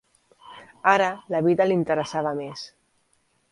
Ara la vida l'interessava més.